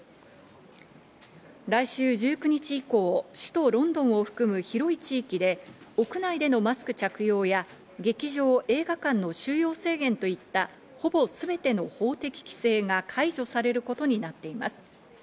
来週１９日以降、首都・ロンドンを含む広い地域で、屋内でのマスク着用や劇場映画館の収容制限といった、ほぼ全ての法的規制が解除されることになっています。